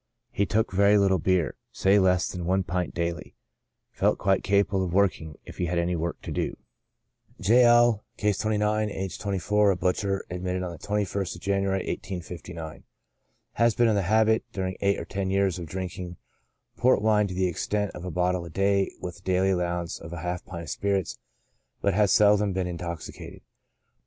He took very little beer, say less than one pint daily ; felt quite capable of working if he had any work to do. J. L —, (Case 29,) aged 24, a butcher j admitted on the 2 1 St of January, 1859. Has been in the habit, during eight or ten years, of drink ing port wine to the extent of a bottle a day, with a daily allowance of half a pint of spirits, but has seldom been in toxicated.